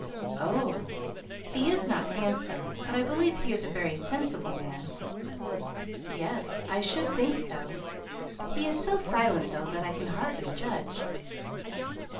"Oh! he is not handsome; but I believe he is a very sensible man." "Yes! I should think so. He is so silent though, that I can hardly judge."